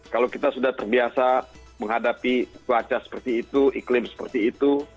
kalau kita sudah terbiasa menghadapi cuaca seperti itu iklim seperti itu